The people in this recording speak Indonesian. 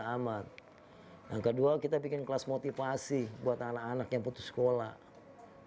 kami juga membuat kelas motivasi untuk anak anak yang putus sekolah